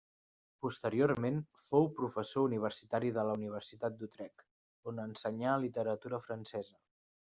Posteriorment fou professor universitari de la Universitat d'Utrecht, on ensenyà literatura francesa.